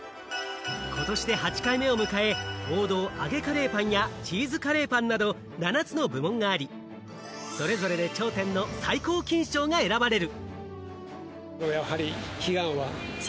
ことしで８回目を迎え、王道の揚げカレーパンやチーズカレーパンなど７つの部門があり、それぞれで頂点の最高金賞が選ばれる。